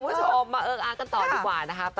คุณผู้ชมมาเอิ้งอ้านกันต่อดีกว่านะครับ